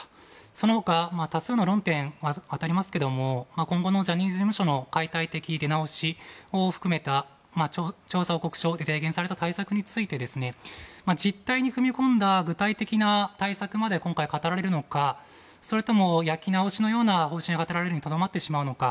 その他、多数の論点がありますが今後のジャニーズ事務所の解体的出直しを含めた調査報告書で提言された対策について実態に踏み込んだ具体的な対策まで今回、語られるのかそれとも焼き直しのような方針にとどまってしまうのか